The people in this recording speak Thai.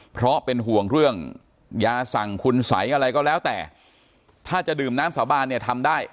เพราะเป็นห่วงเรื่องยาสั่งคุณสัยอะไรก็แล้วแต่ถ้าจะดื่มน้ำสาบานเนี่ยทำได้